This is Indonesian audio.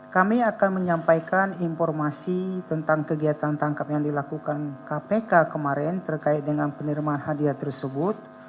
kami akan menyampaikan informasi tentang kegiatan tangkap yang dilakukan kpk kemarin terkait dengan penerimaan hadiah tersebut